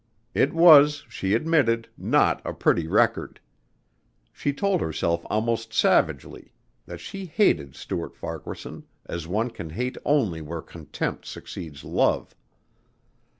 It was, she admitted, not a pretty record. She told herself almost savagely that she hated Stuart Farquaharson as one can hate only where contempt succeeds love.